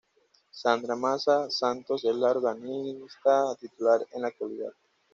Sandra Massa Santos es la organista titular en la actualidad.